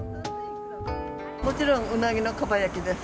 もちろんうなぎのかば焼きです。